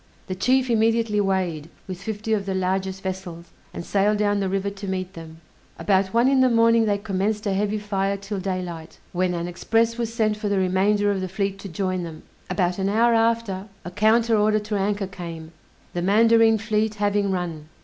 The chief immediately weighed, with fifty of the largest vessels, and sailed down the river to meet them. About one in the morning they commenced a heavy fire till daylight, when an express was sent for the remainder of the fleet to join them: about an hour after a counter order to anchor came, the mandarine fleet having run.